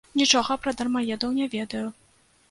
Нічога пра дармаедаў не ведаю.